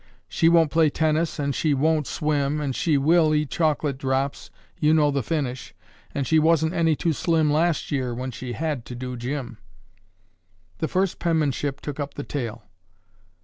She won't play tennis and she won't swim and she will eat chocolate drops—you know the finish, and she wasn't any too slim last year when she had to do gym." The first penmanship took up the tale.